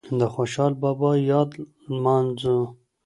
د خوشحال بابا یاد نمانځو